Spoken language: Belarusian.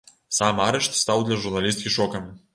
Сам арышт стаў для журналісткі шокам.